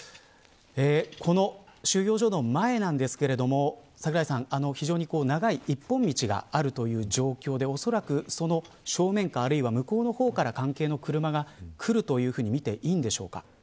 この収容所の前なんですけれども櫻井さん、非常に長い一本道があるという状況でおそらくその正面かあるいは向こうの方から関係の車が来るとみていいんでしょうか。